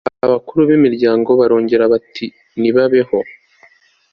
abakuru b'umuryango barongera bati nibabeho